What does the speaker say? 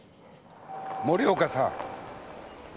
森岡さん！